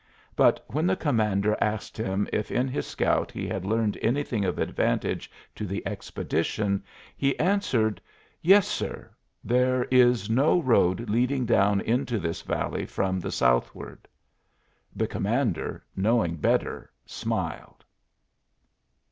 But when the commander asked him if in his scout he had learned anything of advantage to the expedition he answered: "Yes, sir; there is no road leading down into this valley from the southward." The commander, knowing better, smiled.